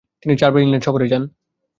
তিনি চারবার ইংল্যান্ড সফরে যান।